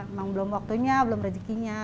memang belum waktunya belum rezekinya